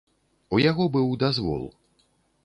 У яго быў дазвол.